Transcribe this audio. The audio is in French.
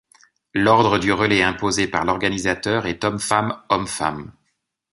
L'ordre du relais imposé par l'organisateur est homme-femme-homme-femme.